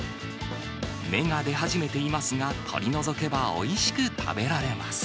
芽が出始めていますが、取り除けばおいしく食べられます。